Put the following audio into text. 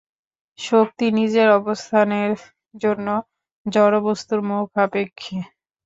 শক্তি নিজের অবস্থানের জন্য জড় বস্তুর মুখাপেক্ষী।